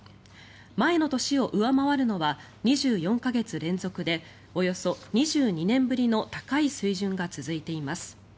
前の年を上回るのは２４か月連続でおよそ２２年ぶりの高い水準が続いています。